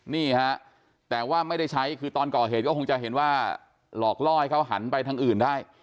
นี่ฮะแต่ว่าไม่ได้ใช้คือตอนก่อเหตุก็คงจะเห็นว่าหลอกล่อให้เขาหันไปทางอื่นได้